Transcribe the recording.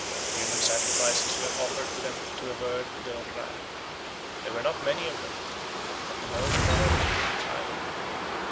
Human sacrifices were offered to them to avert their wrath. There were not many of them, at the most one or two in each island.